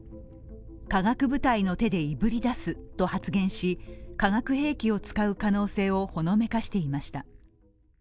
化学部隊の手でいぶり出すと発言し化学兵器を使う可能性をほのめかしていました。